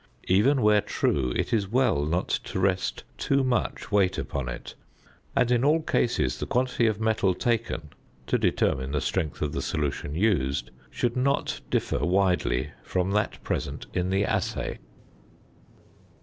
Even where true it is well not to rest too much weight upon it, and in all cases the quantity of metal taken, to determine the strength of the solution used, should not differ widely from that present in the assay.